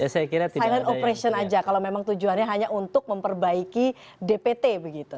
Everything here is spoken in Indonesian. silent operation aja kalau memang tujuannya hanya untuk memperbaiki dpt begitu